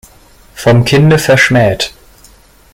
Vom Kinde verschmäht.